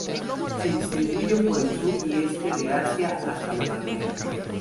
Se distribuyen por el sur y este de Asia hasta Nueva Guinea.